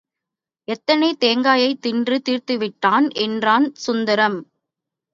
எத்தனை தேங்காயைத் தின்று தீர்த்துவிட்டான் என்றான் சுந்தரம்.